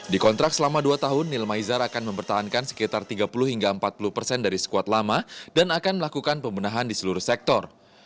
di kontrak selama dua tahun nil maizar akan mempertahankan sekitar tiga puluh hingga empat puluh persen dari skuad lama dan akan melakukan pembenahan di seluruh sektor